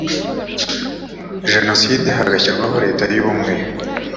jenoside hagashyirwaho leta y ubumwe